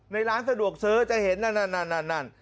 ในร้านสะดวกซื้อจะเห็นนั่น